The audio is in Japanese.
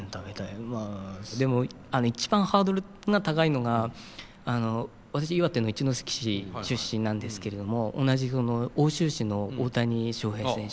でも一番ハードルが高いのが私岩手の一関市出身なんですけれども同じ奥州市の大谷翔平選手。